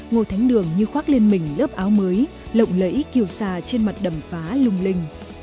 ngô thánh đường như khoác lên mình lớp áo mới lộng lẫy kiều xà trên mặt đầm phá lung linh